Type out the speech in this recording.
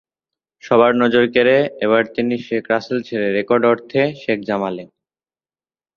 সবার নজর কেড়ে এবার তিনি শেখ রাসেল ছেড়ে রেকর্ড অর্থে শেখ জামালে।